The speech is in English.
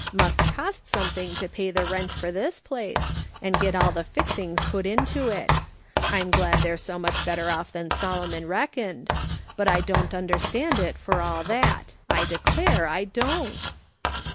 Must cost something to pay the rent for this place, and get ail the fixings put into it. I'm glad they're so much better off than Solomon reckoned ; but I don't understand it for all that ; I declare I don't."